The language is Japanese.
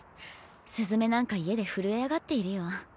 雀なんか家で震え上がっているよ。